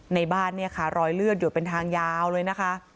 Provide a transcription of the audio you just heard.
ในบ้านเนี่ยค่ะรอยเลือดหยดเป็นทางยาวเลยนะคะ